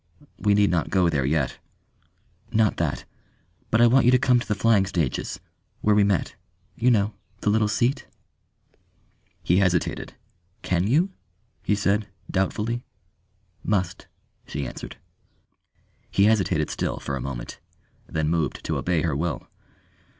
"We need not go there yet." "Not that. But I want you to come to the flying stages where we met. You know? The little seat." He hesitated. "Can you?" he said, doubtfully. "Must," she answered. He hesitated still for a moment, then moved to obey her will.